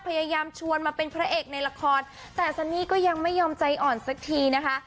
พยายามชวนมาเป็นพระเอกในละครแต่ซันนี่ก็ยังไม่ยอมใจอ่อนสักทีนะคะ